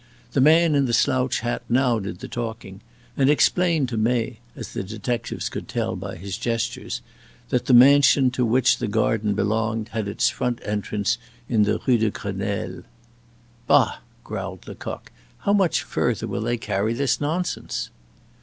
The man in the slouch hat now did the talking, and explained to May as the detectives could tell by his gestures that the mansion to which the garden belonged had its front entrance in the Rue de Grenelle. "Bah!" growled Lecoq, "how much further will they carry this nonsense?"